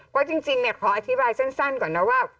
เพราะว่าจริงเนี่ยขออธิบายสั้นก่อนนะว่ะ